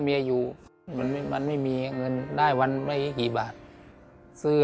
และกับผู้จัดการที่เขาเป็นดูเรียนหนังสือ